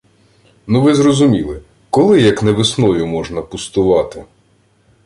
Ну ви зрозуміли: коли, як не весною, можна пустувати?